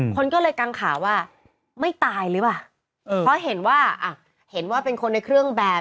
คนก็เลยกังขาว่าไม่ตายเลยว่ะเพราะเห็นว่าเป็นคนในเครื่องแบบ